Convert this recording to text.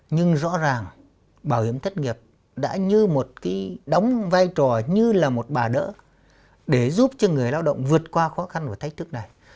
nhưng rõ ràng bảo hiểm thất nghiệp đã như một cái đóng vai trò như là một bà đỡ để giúp cho người lao động vượt qua khó khăn của thách thức này